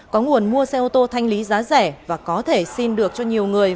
có nguồn mua xe ô tô thanh lý giá rẻ và có thể xin được cho nhiều người